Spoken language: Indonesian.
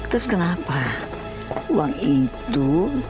terus kenapa uang itu